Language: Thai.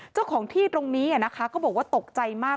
เจ้าของที่ตรงนี้นะคะก็บอกว่าตกใจมาก